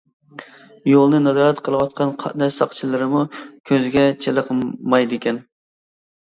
يولنى نازارەت قىلىۋاتقان قاتناش ساقچىلىرىمۇ كۆزگە چېلىقمايدىكەن.